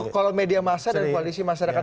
kalau media massa dan koalisi masyarakat